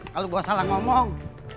kalau gue salah ngomong